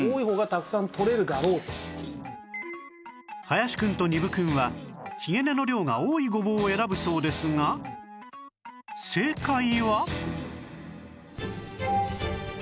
林くんと丹生くんはひげ根の量が多いごぼうを選ぶそうですが正解は？